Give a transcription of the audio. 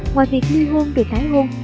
ngoài việc lưu hôn rồi thái hôn